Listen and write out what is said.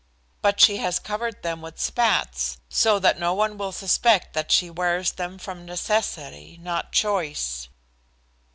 But she has covered them with spats, so that no one will suspect that she wears them from necessity, not choice."